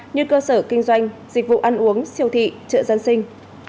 như cơ sở kinh doanh dịch vụ ăn uống siêu thị chợ dân sinh